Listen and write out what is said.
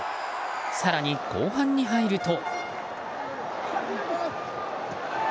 更に、後半に入ると。